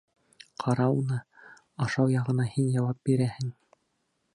Ҡара уны, ашау яғына һин яуап бирәһең.